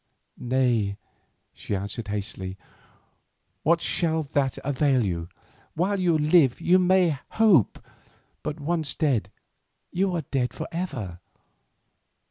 "Nay," she answered hastily, "what shall that avail you? While you live you may hope, but once dead, you are dead for ever.